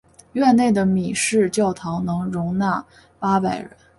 院内的米市教堂能容八百人。